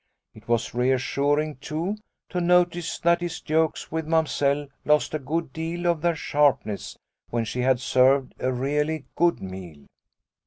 It was reassuring, too, to notice that his jokes with Mamsell lost a good deal of their sharpness when she had served a really good meal.